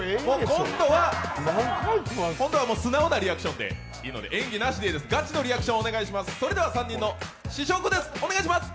今度は素直なリアクションでいいので演技なしでいいです、ガチのリアクションをお願いします。